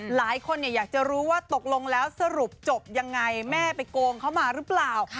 หลายคนอยากจะรู้ว่าตกลงแล้วสรุปจบยังไงแม่ไปโกงเขามาหรือเปล่า